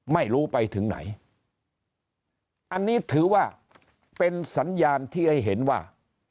ไม่รู้ไปถึงไหนอันนี้ถือว่าเป็นสัญญาณที่ให้เห็นว่า